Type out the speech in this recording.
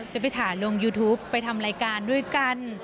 จะไปถ่ายลงยูทูปไปทำรายการด้วยกัน